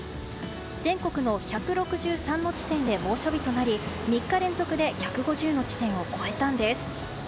全国の１６３地点で猛暑日となり３日連続で１５０の地点を超えたんです。